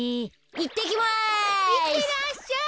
いってらっしゃい。